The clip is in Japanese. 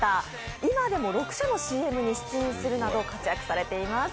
今でも６社のＣＭに出演しているなど活躍されています。